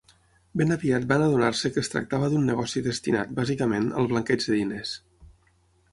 Ben aviat van adonar-se que es tractava d'un negoci destinat, bàsicament, al blanqueig de diners.